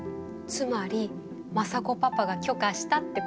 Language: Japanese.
つまり政子パパが許可したってことですね。